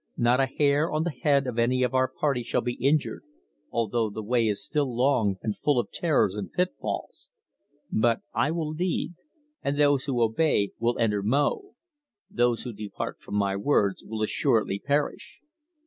"Not a hair on the head of any of our party shall be injured, although the way is still long and full of terrors and pitfalls. But I will lead, and those who obey will enter Mo. Those who depart from my words will assuredly perish.